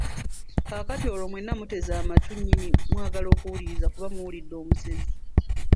Kaakati olwo mwenna muteze amatu nnyini mwagala okuwuliriza kubanga muwulidde omusezi.